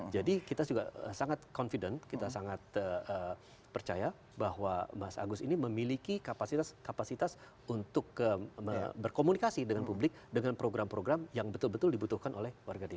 jadi kita juga sangat confident kita sangat percaya bahwa mas agus ini memiliki kapasitas untuk berkomunikasi dengan publik dengan program program yang betul betul dibutuhkan oleh warga dki